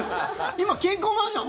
今、健康マージャン！